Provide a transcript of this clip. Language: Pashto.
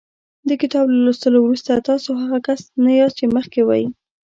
د کتاب له لوستلو وروسته تاسو هغه کس نه یاست چې مخکې وئ.